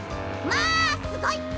まあすごい！